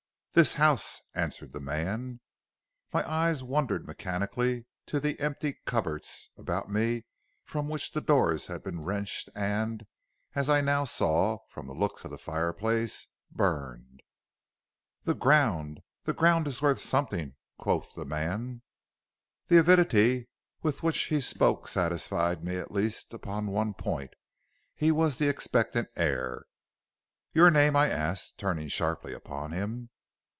"'This house', answered the man. "My eyes wandered mechanically to the empty cupboards about me from which the doors had been wrenched and, as I now saw from the looks of the fireplace, burned. "'The ground the ground is worth something,' quoth the man. "'The avidity with which he spoke satisfied me at least upon one point he was the expectant heir. "'Your name?' I asked, turning sharply upon him.